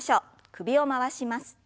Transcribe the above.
首を回します。